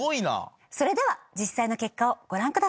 それでは実際の結果をご覧ください。